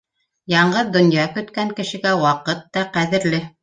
Янғыҙ донъя көткән кешегә ваҡыт та ҡәҙерле.